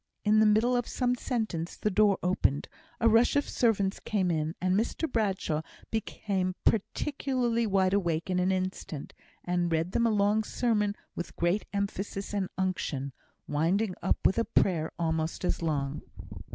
In the middle of some sentence the door opened, a rush of servants came in, and Mr Bradshaw became particularly wide awake in an instant, and read them a long sermon with great emphasis and unction, winding up with a prayer almost as long.